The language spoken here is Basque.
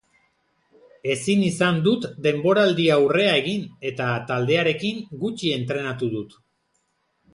Ezin izan dut denboraldiaurrea egin eta taldearekin gutxi entrenatu dut.